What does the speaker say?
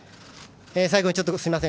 最後、ちょっと、すいません